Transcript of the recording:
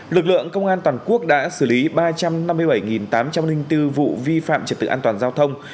lực lượng công an toàn quốc đã xử lý ba trăm năm mươi bảy tám trăm linh bốn vụ vi phạm trật tự an toàn giao thông